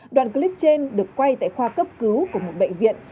đoạn clip trên được quay tại khoa cấp cứu của một bệnh viện